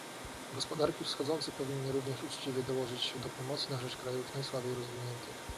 Gospodarki wschodzące powinny również uczciwie dołożyć się do pomocy na rzecz krajów najsłabiej rozwiniętych